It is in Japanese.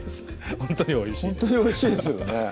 ほんとにおいしいですよね